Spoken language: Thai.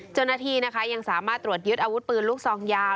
เจ้าหน้าที่นะคะยังสามารถตรวจยึดอาวุธปืนลูกซองยาว